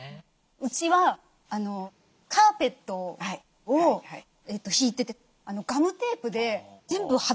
うちはカーペットを敷いててガムテープで全部貼ってるんですよ。